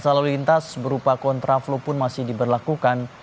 masa lalu lintas berupa kontraflow pun masih diberlakukan